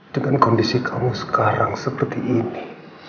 dengan kondisi kamu sekarang seperti ini